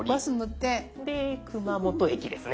で熊本駅ですね。